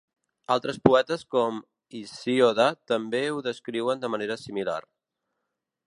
Altres poetes com Hesíode també ho descriuen de manera similar.